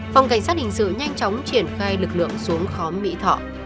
phòng cảnh sát hình sự nhanh chóng triển khai lực lượng xuống khóm mỹ thọ